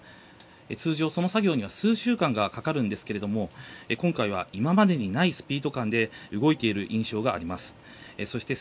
通常、その作業は数週間かかりますが今回は今までにないスピード感で動いている印象があります。